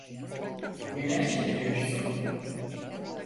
Neler çeviriyorsun?